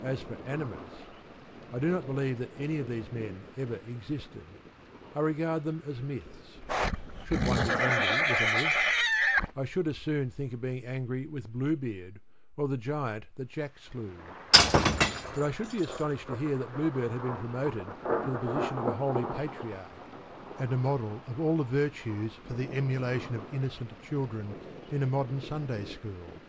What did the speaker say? As for animus: I do not believe any of these men ever existed. I regard them as myths. Should one be angry with a myth? I should as soon think of being angry with Bluebeard, or the Giant that Jack slew. But I should be astonished to hear that Bluebeard had been promoted to the position of a holy patriarch, and a model of all the virtues for the emulation of innocent children in a modern Sunday school.